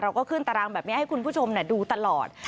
ขึ้นตารางแบบนี้ให้คุณผู้ชมดูตลอด